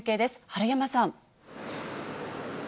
治山さん。